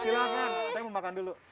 saya mau makan dulu